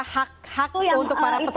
hak hak untuk para peserta